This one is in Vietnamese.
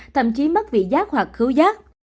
thậm chí mất vị giác hoặc khứu giác